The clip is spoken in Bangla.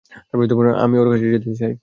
আমি ওর কাছে যেতে চাই।